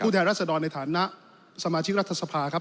แทนรัศดรในฐานะสมาชิกรัฐสภาครับ